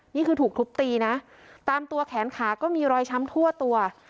นี่คือถูกทุบตีนะตามตัวแขนขาก็มีรอยช้ำทั่วตัว